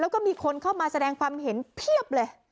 แล้วก็มีคนเข้ามาแสดงความเห็นเพียบเลย